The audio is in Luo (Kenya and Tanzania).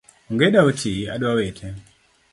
Ongeda otii , adwa wite